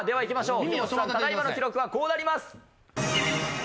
ただ今の記録はこうなります。